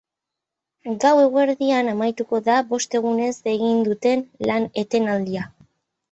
Gaur gauerdian amaituko da bost egunez egin duten lan-etenaldia.